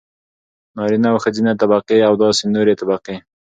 نارينه او ښځينه طبقې او داسې نورې طبقې.